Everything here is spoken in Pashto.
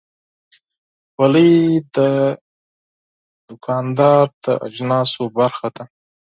خولۍ د دوکاندار د اجناسو برخه ده.